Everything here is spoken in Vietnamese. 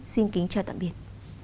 xin kính chào tạm biệt